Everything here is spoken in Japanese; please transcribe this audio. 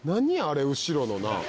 あれ後ろのなあ。